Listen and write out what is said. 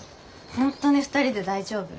本当に２人で大丈夫？